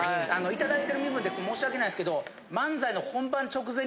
頂いてる身分で申し訳ないですけど。